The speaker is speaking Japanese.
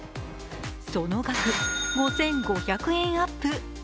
その額、５５００円アップ。